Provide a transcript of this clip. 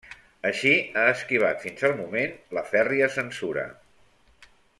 Així ha esquivat fins al moment la fèrria censura.